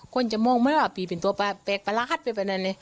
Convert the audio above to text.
คนจะมองเมื่อว่าพี่เป็นตัวแปลกประหลาดไปไปนั่นเนี่ย